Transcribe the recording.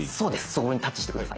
そこにタッチして下さい。